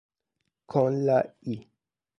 Con la l.